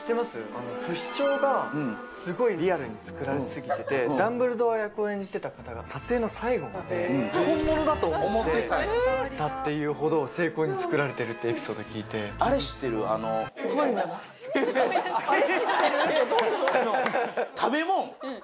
不死鳥がすごいリアルに作られすぎててダンブルドア役を演じてた方が撮影の最後まで本物だと思ってたっていうほど精巧に作られてるってエピソード聞いて食べもん